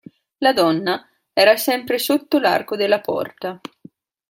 La donna era sempre sotto l'arco della porta.